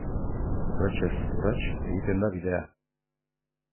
Urratsez urrats egiten da bidea.